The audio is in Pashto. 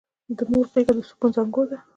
د مور غېږه د سکون زانګو ده!